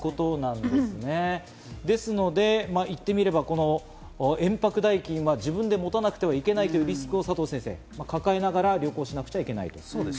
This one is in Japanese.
ですので言ってみれば延泊代金は自分で持たなくてはいけないというリスクを抱えながら旅行しなくちゃいけないと。